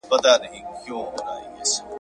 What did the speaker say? موږ د شین سترګي تعویذګر او پیر بابا په هیله ,